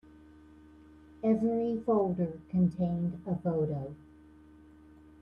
Every folder contained a photo.